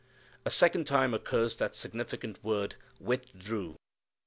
A second time occurs that significant word, "withdrew."